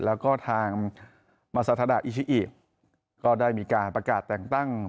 แล้วก็ทางมาซาทาดาอิชิอิก็ได้มีการประกาศแต่งตั้ง